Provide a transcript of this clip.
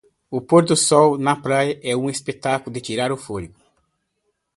O pôr do sol na praia é um espetáculo de tirar o fôlego.